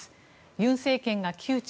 尹政権が窮地？